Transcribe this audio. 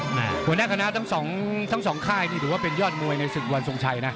หัวหน้าคณะทั้งสองค่ายนี่ถือว่าเป็นยอดมวยในศึกวันทรงชัยนะ